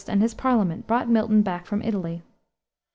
and his Parliament brought Milton back from Italy.